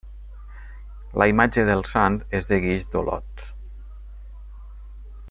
La imatge del sant és de guix d'Olot.